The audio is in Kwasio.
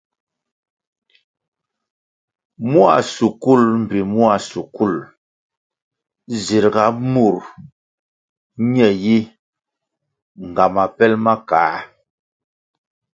Mua shukul mbpi mua shukul zirʼga mur ñe yi ngama pel ma kā.